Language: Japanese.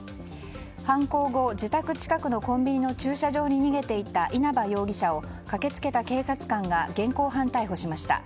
犯行後、自宅近くのコンビニの駐車場に逃げていた稲葉容疑者を駆けつけた警察官が現行犯逮捕しました。